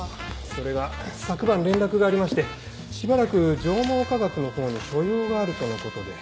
それが昨晩連絡がありましてしばらく上毛化学のほうに所用があるとのことで。